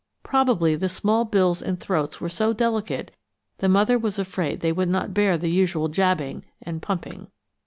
Probably the small bills and throats were so delicate the mother was afraid they would not bear the usual jabbing and pumping.